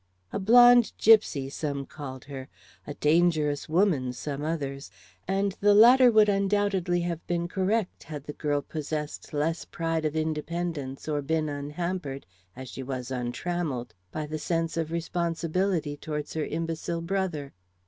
A blonde gypsy some called her, a dangerous woman some others; and the latter would undoubtedly have been correct had the girl possessed less pride of independence or been unhampered, as she was untrammelled, by the sense of responsibility towards her imbecile brother.